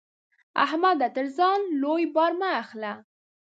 احمده! تر ځان لوی بار مه اخله.